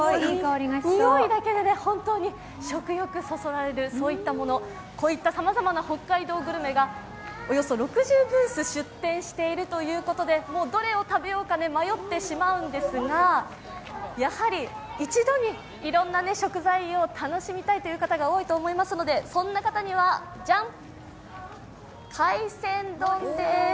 においだけでも本当に食欲がそそられそう、そういったもの、こういったさまざまな北海道グルメがおよそ６０ブース出店しているということで、どれを食べようか迷ってしまうんですが、やはり、一度にいろんな食材を楽しみたいという方が多いということで、そんな方には、じゃん、海鮮丼です。